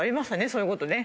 そういうことね。